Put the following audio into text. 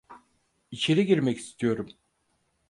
İçeri girmek istiyorum.